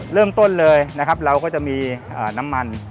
เริ่มต้นเลยนะครับเราก็จะมีน้ำมัน